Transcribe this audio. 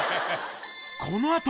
このあと。